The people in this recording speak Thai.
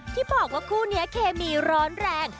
ที่บอกว่าคู่นี้เคมีร้อนแรง